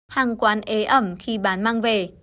hàng quán ế ẩm khi bán mang về